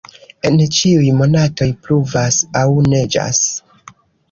En ĉiuj monatoj pluvas aŭ neĝas.